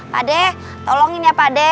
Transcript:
pade tolongin ya pade